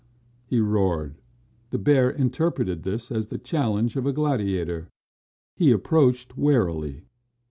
he roared. The bear interpreted this as the challenge of a gladiator. He approached warily.